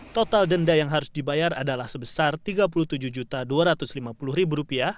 total denda yang harus dibayar adalah sebesar rp tiga puluh tujuh dua ratus lima puluh